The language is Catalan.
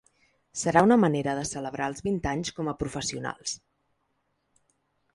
Serà una manera de celebrar els vint anys com a professionals.